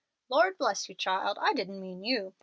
"Lord bless you, child, I didn't mean you.